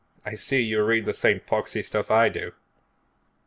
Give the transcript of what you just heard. "I see you read the same poxy stuff I do."